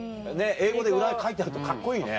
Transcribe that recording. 英語で裏書いてあるとカッコいいね。